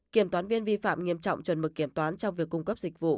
kiểm toán viên vi phạm nghiêm trọng chuẩn mực kiểm toán trong việc cung cấp dịch vụ